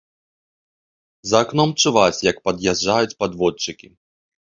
За акном чуваць, як пад'язджаюць падводчыкі.